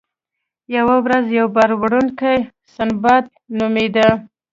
یوه ورځ یو بار وړونکی سنباد نومیده.